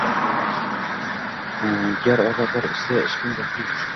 Gar ozorlar ichra oshiqning baxti!